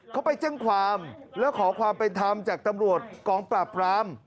เขาไปแจ้งความแล้วขอความเป็นธรรมจากตำรวจกองปราบราม